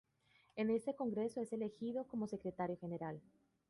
En este Congreso es elegido como secretario general.